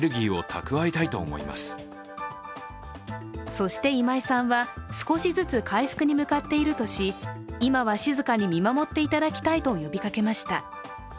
そして今井さんは少しずつ回復に向かっているとし今は静かに見守っていただきたいと呼びかけました。